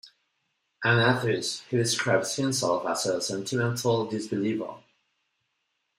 An atheist, he describes himself as a "sentimental" disbeliever.